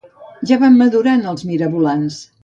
Ja van madurant els mirabolans